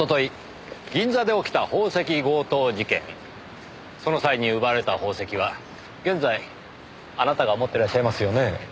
銀座で起きた宝石強盗事件その際に奪われた宝石は現在あなたが持ってらっしゃいますよねぇ。